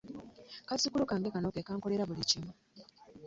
Kazzukulu kange kano ke kankolera buli kimu.